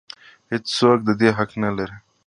هېڅ څوک د دې حق نه لري.